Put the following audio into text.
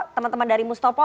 teman teman dari mustafa